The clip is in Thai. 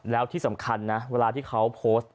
แล้วที่สำคัญนะเวลาที่เขาโพสต์